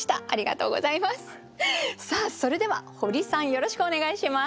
さあそれではホリさんよろしくお願いします。